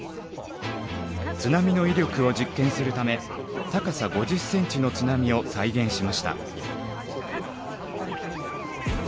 津波の威力を実験するため高さ５０ｃｍの津波を再現しました。